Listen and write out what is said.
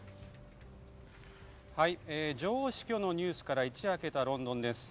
女王死去のニュースから一夜明けたロンドンです。